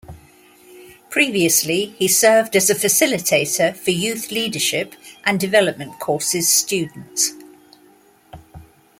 Previously, he served as a Facilitator for youth leadership and development courses students.